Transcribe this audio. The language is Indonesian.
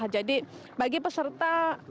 jadi bagi peserta